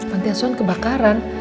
pantai asuhan kebakaran